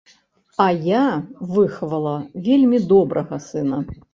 А я выхавала вельмі добрага сына.